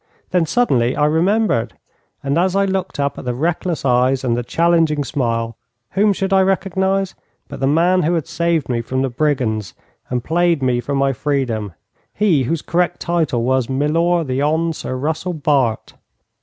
Then suddenly I remembered, and as I looked up at the reckless eyes and the challenging smile, whom should I recognize but the man who had saved me from the brigands and played me for my freedom he whose correct title was Milor the Hon. Sir Russell Bart!